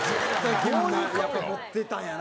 蛍原：きむやっぱ持ってたんやな。